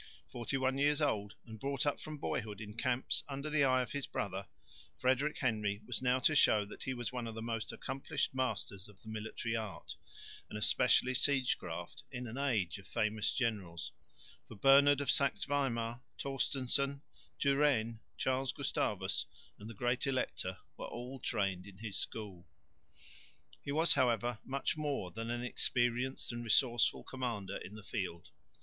Forty one years old and brought up from boyhood in camps under the eye of his brother, Frederick Henry was now to show that he was one of the most accomplished masters of the military art, and especially siege craft, in an age of famous generals, for Bernard of Saxe Weimar, Torstenson, Turenne, Charles Gustavus and the Great Elector were all trained in his school. He was, however, much more than an experienced and resourceful commander in the field.